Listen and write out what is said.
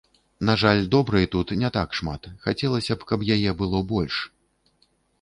На жаль, добрай тут не так шмат, хацелася б, каб яе было больш.